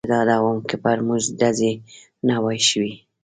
زه ډاډه ووم، که پر موږ ډزې نه وای شوې.